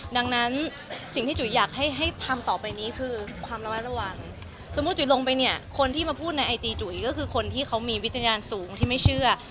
ดังนั้นสิ่งที่จุ๋ยอยากให้ทำต่อไปนี้คือ